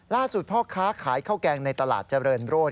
พ่อค้าขายข้าวแกงในตลาดเจริญโรธ